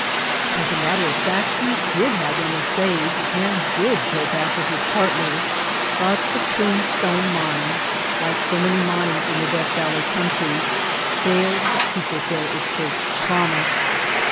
As a matter of fact he did have them assayed and did go back with his partner; but the Prune [^73] White Heart of Mojave Stone Mine, like so many mines in the Death Valley Country, failed to fulfill its first promise.